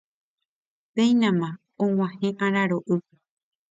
Péinama og̃uahẽ araro'y